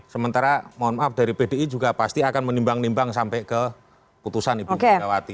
sementara mohon maaf dari pdi juga pasti akan menimbang nimbang sampai ke putusan ibu megawati